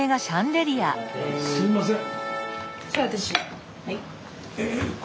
すいません。